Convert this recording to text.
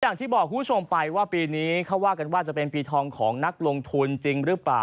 อย่างที่บอกคุณผู้ชมไปว่าปีนี้เขาว่ากันว่าจะเป็นปีทองของนักลงทุนจริงหรือเปล่า